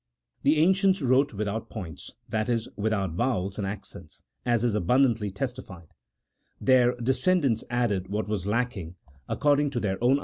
The ancients wrote without points (that is, with out vowels and accents), as is abundantly testified ; their descendants added what was lacking, according to their own 110 A THEOLOGICO POLITICAL TREATISE.